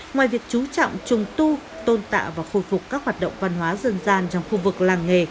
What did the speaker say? ngoài việc chú trọng trùng tu tôn tạ và khôi phục các hoạt động văn hóa dân gian trong khu vực làng nghề